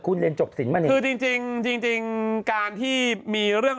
คุณเรียนจบศิลป์มานี่คือจริงจริงจริงจริงการที่มีเรื่อง